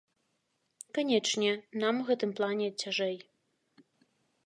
Канечне, нам у гэтым плане цяжэй.